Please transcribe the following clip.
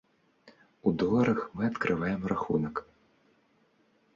У доларах мы адкрываем рахунак.